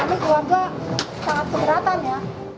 jadi ya kami keluarga sangat keberatan ya